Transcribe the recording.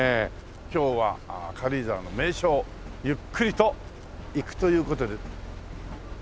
今日は軽井沢の名所をゆっくりと行くという事で。